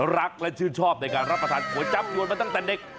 รักและชื่นชอบในการรับประทานก๋วยจับยวนมาตั้งแต่เด็ก